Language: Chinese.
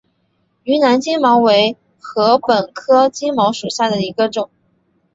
云南金茅为禾本科金茅属下的一个种。